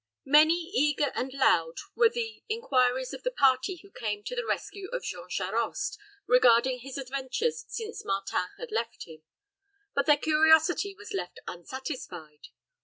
Many, eager, and loud were the inquiries of the party who came to the rescue of Jean Charost, regarding his adventures since Martin had left him; but their curiosity was left unsatisfied.